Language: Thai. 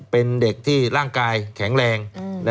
เป็นเด็กที่ร่างกายแข็งแรง